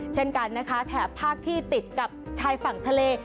เช่นกันนะคะแถบภาคที่ติดกับชายฝั่งทะเล